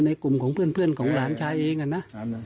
กลุ่มของเพื่อนของหลานชายเองอะนะ